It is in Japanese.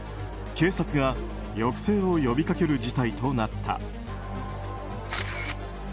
警察が抑制を呼びかける事態となった。